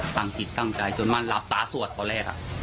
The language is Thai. ตั้งจิตตั้งใจจนมันหลับตาสวดตอนแรก